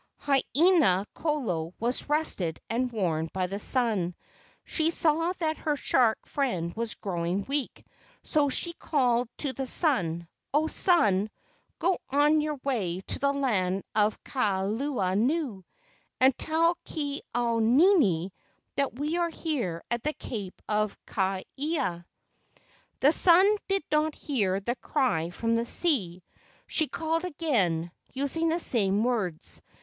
Haina kolo was rested and warmed by the sun. She saw that her shark friend was growing weak, so she called to the sun, "O sun, go on your way to the land of Ka lewa nuu, and tell Ke au nini that we are here at the cape of Ka ia." The sun did not hear the cry from the sea. She called again, using the same words.